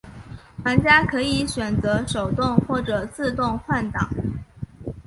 玩家可以选择手动或者自动换挡。